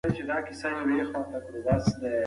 ماشومانو په پوره دقت سره د خپل استاد درس ته کتل.